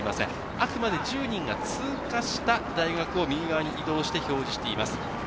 あくまで１０人が通過した大学を右側に移動して表示しています。